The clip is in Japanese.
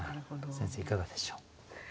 先生いかがでしょう？